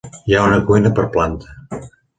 Hi ha una cuina per planta.